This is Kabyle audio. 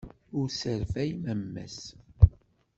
Ur sserfay mamma-s.